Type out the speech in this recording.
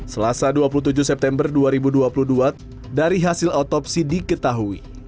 selasa dua puluh tujuh september dua ribu dua puluh dua dari hasil otopsi diketahui